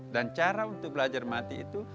dan cara untuk belajar mati itu